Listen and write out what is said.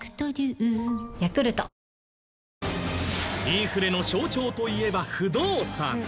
インフレの象徴といえば不動産。